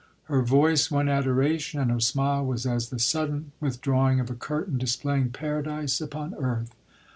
Her voice won adoration, and her smile was as the sudden withdrawing of a curtain displaying paradise upon earth.